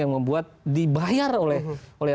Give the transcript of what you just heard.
yang membuat dibayar oleh